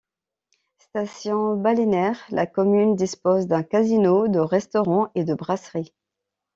Station balnéaire, la commune dispose d'un casino, de restaurants et de brasseries.